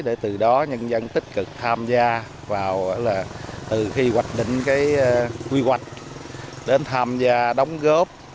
để từ đó nhân dân tích cực tham gia vào là từ khi hoạch định cái quy hoạch đến tham gia đóng góp